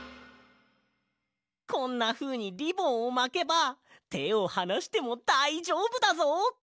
こんなふうにリボンをまけばてをはなしてもだいじょうぶだぞ。